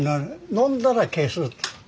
飲んだら消す。